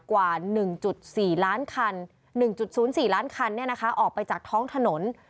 กว่า๑๐๔ล้านคันออกไปจากท้องถนน